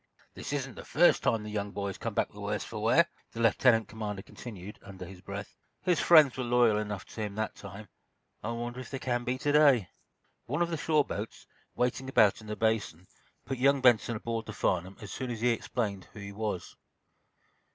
"This isn't the first time the young man has come back the worse for wear," the lieutenant commander continued, under his breath. "His friends were loyal enough to him, that time. I wonder if they can be, to day?" One of the shore boats, waiting about in the Basin, put young Benson aboard the "Farnum" as soon as he explained who he was.